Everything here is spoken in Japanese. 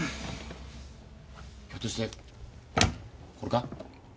ひょっとしてこれか？